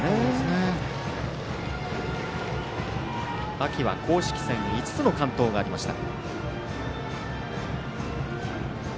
秋は公式戦５つの完投がありました。